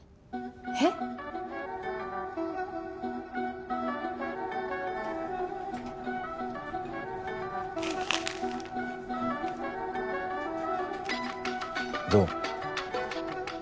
えっ？どう？